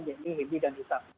yakni hebi dan isra